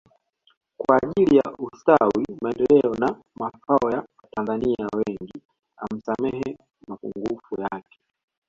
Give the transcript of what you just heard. Kwa ajili ya ustawi maendeleo na mafao ya watanzania wengi amsamehe mapungufu yake